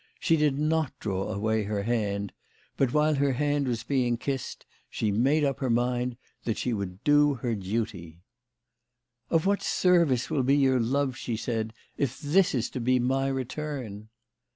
She did not draw away her hand ; but, while her hand was being kissed, she made up her mind that she would do her duty. " Of what service will be your love," she said, "if this is to be my return